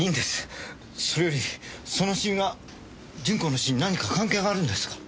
それよりその染みが順子の死に何か関係があるんですか？